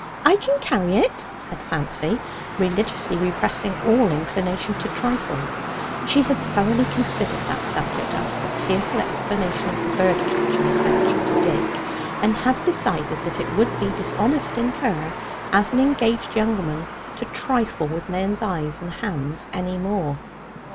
"I can carry it," said Fancy, religiously repressing all inclination to trifle. She had thoroughly considered that subject after the tearful explanation of the bird catching adventure to Dick, and had decided that it would be dishonest in her, as an engaged young woman, to trifle with men's eyes and hands any more.